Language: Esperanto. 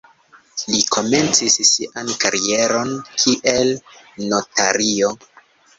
Li komencis sian karieron kiel notario.